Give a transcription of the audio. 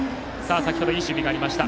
先ほど、いい守備がありました。